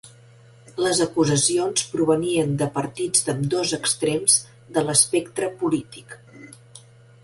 Les acusacions provenien de partits d'ambdós extrems de l'espectre polític.